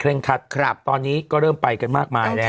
คัดครับตอนนี้ก็เริ่มไปกันมากมายแล้ว